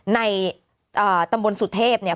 ในตำบลสุทธิพย์เนี่ย